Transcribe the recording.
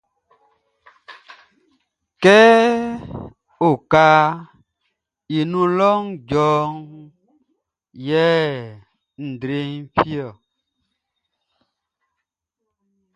Kɛ okaʼn i nun lɔʼn djɔ yɛ nʼdre fi ɔ.